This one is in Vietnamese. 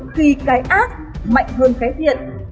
khi cái ác mạnh hơn cái thiện